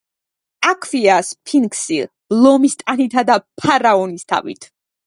აქვეა სფინქსი, ლომის ტანითა და ფარაონის თავით.